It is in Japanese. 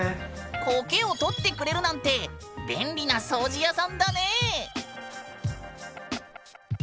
コケを取ってくれるなんて便利なそうじ屋さんだね！